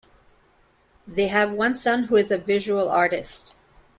They have one son who is a visual artist.